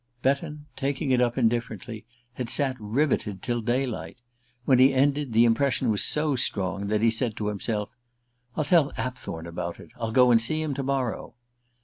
Betton, taking it up indifferently, had sat riveted till daylight. When he ended, the impression was so strong that he said to himself: "I'll tell Apthorn about it I'll go and see him to morrow."